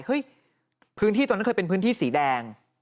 เฮ้ยพื้นที่ตอนนั้นเคยเป็นพื้นที่สีแดง